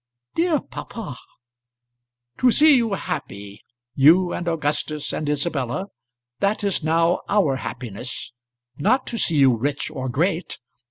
"Dear papa!" "To see you happy you and Augustus and Isabella that is now our happiness; not to see you rich or great.